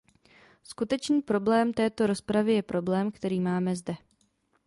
Skutečný problém této rozpravy je problém, který máme zde.